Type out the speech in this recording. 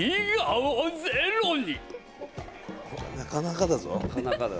なかなかだよ。